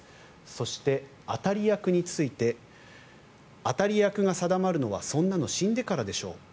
そして、当たり役について当たり役が定まるのはそんなの死んでからでしょう